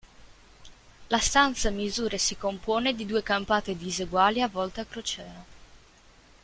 La stanza misura e si compone di due campate diseguali a volta a crociera.